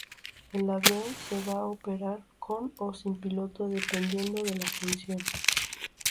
El avión se va a operar con o sin piloto, dependiendo de la función.